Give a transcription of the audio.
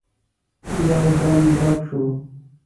يودم درب شو.